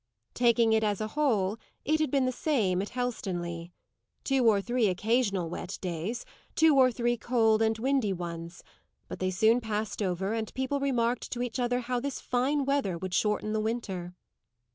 Taking it as a whole, it had been the same at Helstonleigh. Two or three occasional wet days, two or three cold and windy ones; but they soon passed over and people remarked to each other how this fine weather would shorten the winter.